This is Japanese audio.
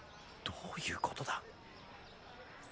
どういうことだ。